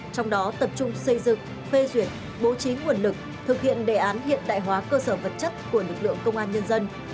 trong đó tập trung xây dựng phê duyệt bố trí nguồn lực thực hiện đề án hiện đại hóa cơ sở vật chất của lực lượng công an nhân dân